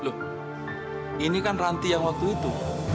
loh ini kan ranti yang waktu itu